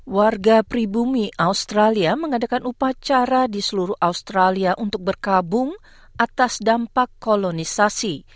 warga pribumi australia mengadakan upacara di seluruh australia untuk berkabung atas dampak kolonisasi